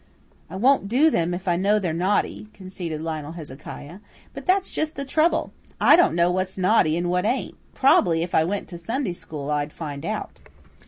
"I won't do them if I know they're naughty," conceded Lionel Hezekiah. "But that's just the trouble; I don't know what's naughty and what ain't. Prob'ly if I went to Sunday school I'd find out."